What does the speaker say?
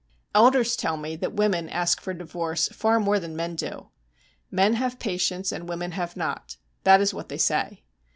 Elders tell me that women ask for divorce far more than men do. 'Men have patience, and women have not,' that is what they say.